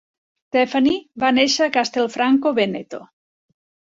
Steffani va néixer a Castelfranco Veneto.